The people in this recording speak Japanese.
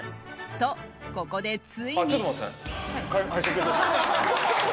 と、ここでついに。